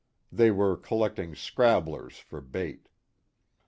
They were collecting ' scrabblers " for bait.